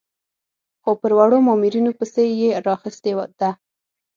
خو پر وړو مامورینو پسې یې راخیستې ده.